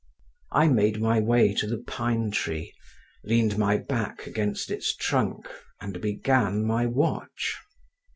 I made my way to the pine tree, leaned my back against its trunk, and began my watch.